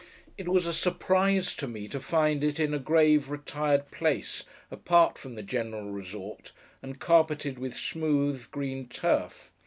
It was a surprise to me to find it in a grave retired place, apart from the general resort, and carpeted with smooth green turf.